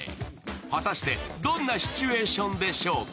果たして、どんなシチュエーションでしょうか？